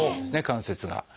関節が。